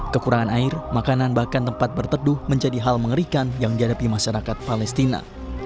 kekurangan air makanan bahkan tempat berteduh menjadi hal mengerikan yang dihadapi masyarakat palestina